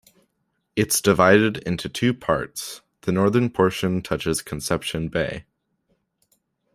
It's divided into two parts, the northern portion touches Conception Bay.